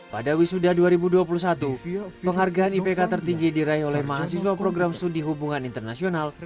pada wisuda dua ribu dua puluh satu penghargaan ipk tertinggi diraih oleh mahasiswa program studi hubungan internasional